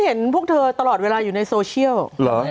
เห็นพวกเธอตลอดเวลาอยู่ในโซเชียลเหรอ